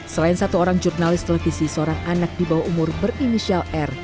selain satu orang jurnalis televisi seorang anak di bawah umur berinisial r